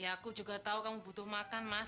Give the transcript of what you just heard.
ya aku juga tahu kamu butuh makan mas